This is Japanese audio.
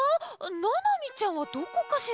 ななみちゃんはどこかしら？